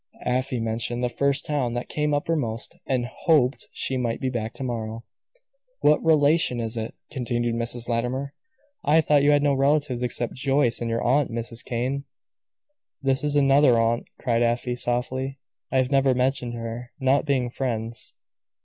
Afy mentioned the first town that came uppermost, and "hoped" she might be back to morrow. "What relation is it?" continued Mrs. Latimer. "I thought you had no relatives, except Joyce and your aunt, Mrs. Kane." "This is another aunt," cried Afy, softly. "I have never mentioned her, not being friends.